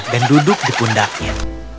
dan duduk di pundaknya